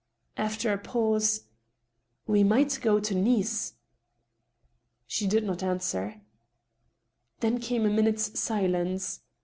After a pause —" We might go to Nice." She did not answer. Then came a minute's silence.